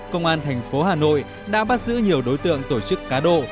công an thành phố hà nội đã bắt giữ nhiều đối tượng tổ chức cá độ